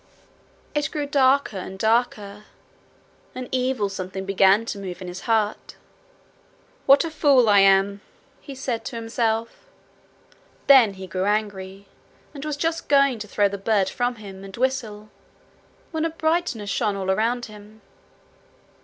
It grew darker and darker. An evil something began to move in his heart. 'What a fool I am!' he said to himself. Then he grew angry, and was just going to throw the bird from him and whistle, when a brightness shone all round him.